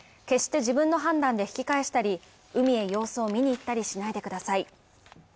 決して自分の判断で引き返したり、海へ様子を見に行ったりしないでください。